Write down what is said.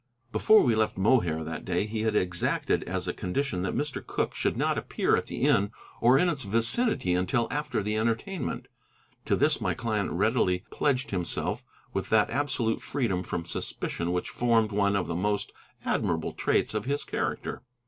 Before we left Mohair that day he had exacted as a condition that Mr. Cooke should not appear at the inn or in its vicinity until after the entertainment. To this my client readily pledged himself with that absolute freedom from suspicion which formed one of the most admirable traits of his character.